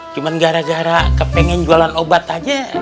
cuma gara gara kepengen jualan obat aja